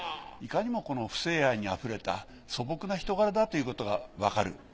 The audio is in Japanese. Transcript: いかにも父性愛にあふれた素朴な人柄だということがわかる。